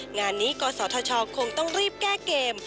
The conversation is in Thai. งานนี้กศธชคงต้องรีบแก้เกม